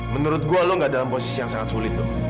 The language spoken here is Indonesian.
menurut gue lo gak dalam posisi yang sangat sulit tuh